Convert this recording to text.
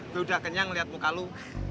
lo udah kenyang liat muka lo